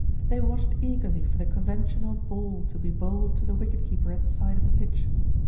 They watched eagerly for the conven tional ball to be bowled to the wicket keeper at the side of the pitch.